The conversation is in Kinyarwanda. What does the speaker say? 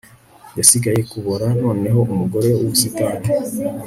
Yasigaye kubora Noneho umugore wubusitani